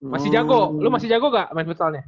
masih jago lu masih jago gak main futsalnya